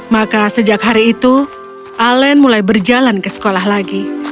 maka sejak hari itu alen mulai berjalan ke sekolah lagi